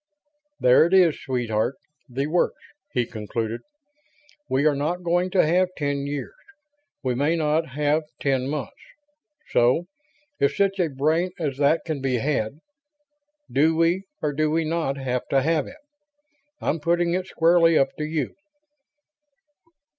"There it is, sweetheart. The works," he concluded. "We are not going to have ten years; we may not have ten months. So if such a brain as that can be had, do we or do we not have to have it? I'm putting it squarely up to you."